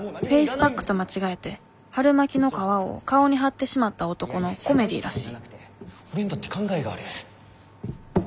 フェイスパックと間違えて春巻きの皮を顔に貼ってしまった男のコメディーらしい俺にだって考えがある。